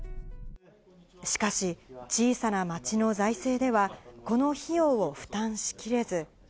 しかし、小さな町の財政では、この費用を負担しきれず。